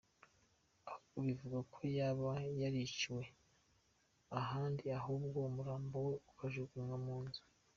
Ahubwo bivugwa ko yaba yariciwe ahandi ahubwo umurambo we ukajugunywa mu nzu.